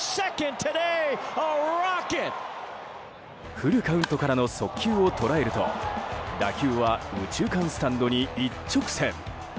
フルカウントからの速球を捉えると打球は右中間スタンドに一直線！